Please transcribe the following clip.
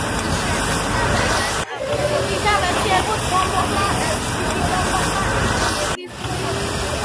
თიშა ნინა ვეკგატყაბარედჷ, უმენტაშო მუთუნს ვეჩიებუდჷ.